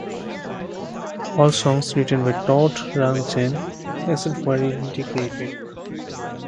All songs written by Todd Rundgren, except where indicated.